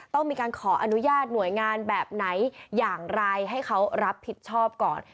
ต้องมีการขออนุญาตหน่วยงานแบบไหนอย่างไรให้เขารับผิดชอบก่อน